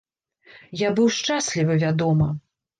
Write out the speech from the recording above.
Я быў шчаслівы, вядома.